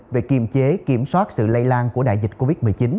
về kiềm chế kiểm soát sự lây lan của đại dịch covid một mươi chín